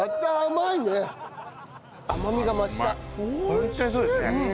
ホントにそうですね。